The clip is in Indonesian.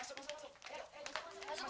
masuk masuk masuk